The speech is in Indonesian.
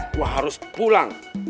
gua harus pulang